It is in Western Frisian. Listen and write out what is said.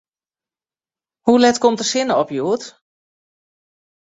Hoe let komt de sinne op hjoed?